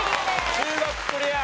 中国クリア。